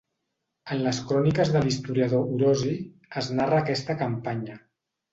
En les cròniques de l'historiador Orosi es narra aquesta campanya.